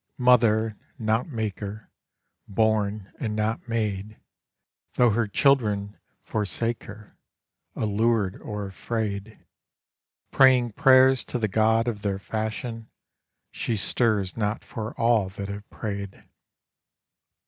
Mother, not maker, Born, and not made; Though her children forsake her, Allured or afraid, Praying prayers to the God of their fashion, she stirs not for all that have prayed.